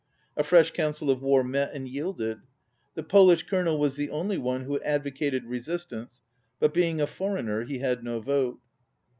A fresh council of war met, and yielded; the Polish colonel was the only one who advocated resistance, but being a foreigner he had no vote.